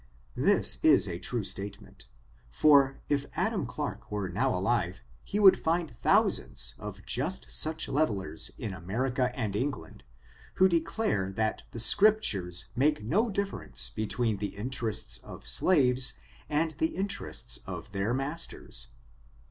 This is a true statement; for, if Adam Clarke were now alive, he would find thousands of just such levelers in America and England, who declare that the Scriptures make no difference between the inter ests of slaves and the interests of their masters.